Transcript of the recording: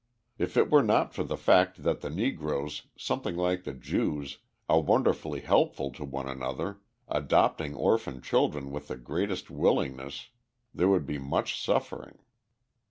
If it were not for the fact that the Negroes, something like the Jews, are wonderfully helpful to one another, adopting orphan children with the greatest willingness, there would be much suffering.